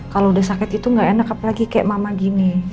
kalau udah sakit itu gak enak apalagi kayak mama gini